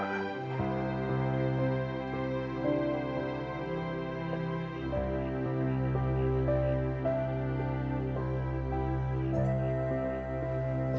mbak mungkin ada yang menyodot unanim sauce focyan ini